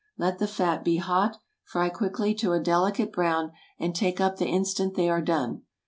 Let the fat be hot, fry quickly to a delicate brown, and take up the instant they are done.